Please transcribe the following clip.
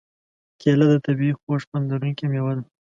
کېله د طبعیي خوږ خوند لرونکې مېوه ده.